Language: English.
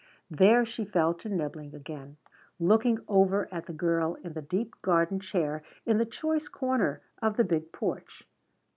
There she fell to nibbling again, looking over at the girl in the deep garden chair in the choice corner of the big porch.